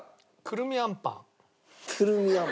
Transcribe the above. くるみあんパン？